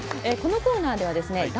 このコーナーではですね